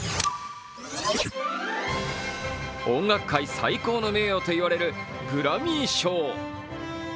音楽界最高の名誉と言われるグラミー賞。